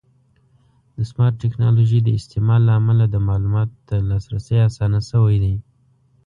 د سمارټ ټکنالوژۍ د استعمال له امله د معلوماتو ته لاسرسی اسانه شوی دی.